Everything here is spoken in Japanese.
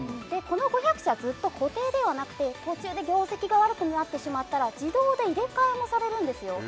この５００社ずっと固定ではなくて途中で業績が悪くなってしまったら自動で入れ替えもされるんですよ